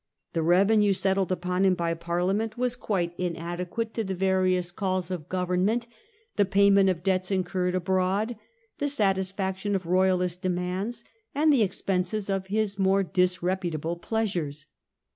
The revenue settled upon him by Parliament Charles's was quite inadequate to the various calls of objects. government, the payment of debts incurred abroad, the satisfaction of royalist demands, and the ex penses of his more disreputable pleasures.